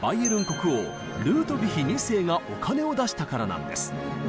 国王ルートヴィヒ２世がお金を出したからなんです。